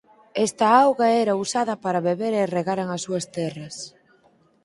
Esta auga era usada para beber e regaren as súas terras.